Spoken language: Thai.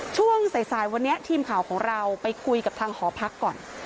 ช่วงสายวันนี้ทีมข่าวของเราไปคุยกับทางหอพักก่อน